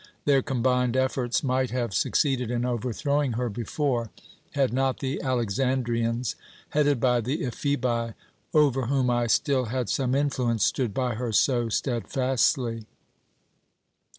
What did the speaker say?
Their combined efforts might have succeeded in overthrowing her before, had not the Alexandrians, headed by the Ephebi, over whom I still had some influence, stood by her so steadfastly.